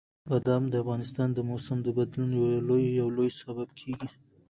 بادام د افغانستان د موسم د بدلون یو لوی سبب کېږي.